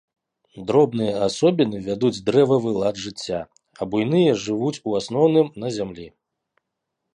Дробныя асобіны вядуць дрэвавы лад жыцця, а буйныя жывуць у асноўным на зямлі.